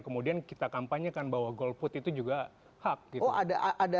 kemudian kita kampanyekan bahwa golput itu bisa dipidanakan